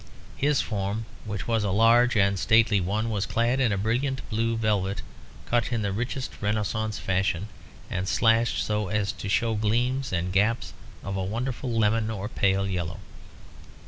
His form, which was a large and stately one, was clad in a brilliant blue velvet, cut in the richest Renaissance fashion, and slashed so as to show gleams and gaps of a wonderful lemon or pale yellow.